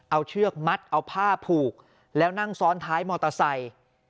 เอาเชือกมัดเอาผ้าผูกแล้วนั่งซ้อนท้ายมอเตอร์ไซค์